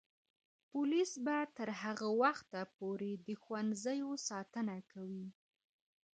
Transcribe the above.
پولیس به تر هغه وخته پورې د ښوونځیو ساتنه کوي.